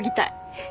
えっ？